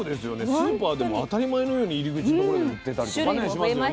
スーパーでも当たり前のように入り口の所で売ってたりとかねしますよね。